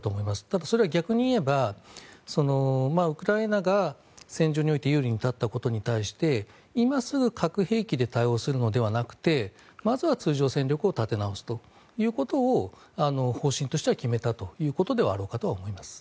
ただ、それは逆に言えばウクライナが戦場において有利に立ったことに対して今すぐ核兵器で対応するのではなくてまずは通常戦力を立て直すことを方針としては決めたということであろうかと思います。